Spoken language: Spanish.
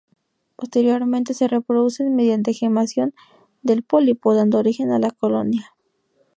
Posteriormente, se reproducen mediante gemación del pólipo, dando origen a la colonia.